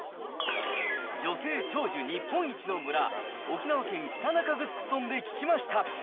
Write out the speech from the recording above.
女性長寿日本一の村、沖縄県北中城村で聞きました。